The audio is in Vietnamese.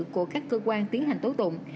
của các cơ quan tiến hành tố tụng